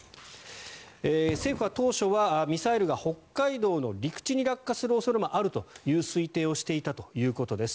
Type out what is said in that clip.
政府は当初はミサイルが北海道の陸地に落下する恐れもあるという推定をしていたということです。